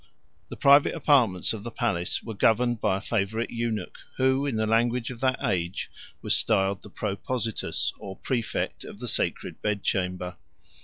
1. The private apartments of the palace were governed by a favorite eunuch, who, in the language of that age, was styled the præpositus, or præfect of the sacred bed chamber.